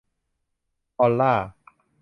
ออลล่า